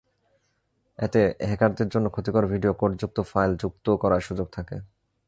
এতে হ্যাকারদের জন্য ক্ষতিকর ভিডিও কোডযুক্ত ফাইল যুক্ত করার সুযোগ থাকে।